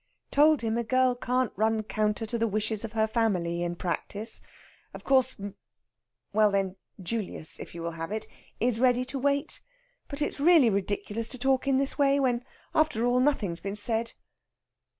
"Told him a girl can't run counter to the wishes of her family in practice. Of course, M well, then, Julius, if you will have it is ready to wait. But it's really ridiculous to talk in this way, when, after all, nothing's been said."